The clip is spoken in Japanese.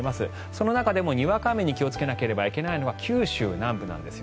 その中でもにわか雨に気をつけないといけないのが九州なんです。